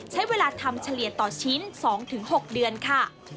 ใช้เวลาทำเฉลี่ยต่อชิ้น๒๖เดือนค่ะ